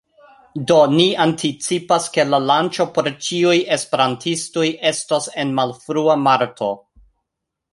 Do, ni anticipas, ke la lanĉo por ĉiuj esperantistoj estos en malfrua marto